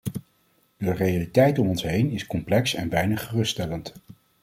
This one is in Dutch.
De realiteit om ons heen is complex en weinig geruststellend.